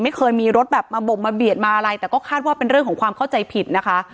ไม่เคยมีรถแบบมาบ่งมาเบียดมาอะไรแต่ก็คาดว่าเป็นเรื่องของความเข้าใจผิดนะคะ